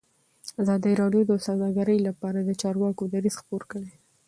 ازادي راډیو د سوداګري لپاره د چارواکو دریځ خپور کړی.